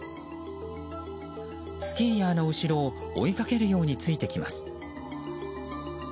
スキーヤーの後ろを追いかけるようについてきます。